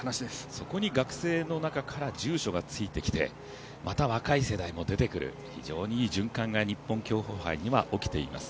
そこに学生の中から住所がついてきてまた若い世代も出てくる非常にいい循環が日本競歩界に起きています。